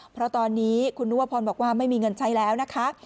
เพราะตอนนี้คุณนุวพรบอกว่าไม่มีเงินใช้แล้วนะคะ